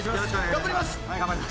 頑張ります。